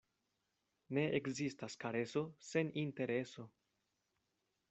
Ne ekzistas kareso sen intereso.